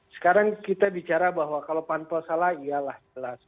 sekarang kita bicara bahwa kalau pantol salah ialah jelas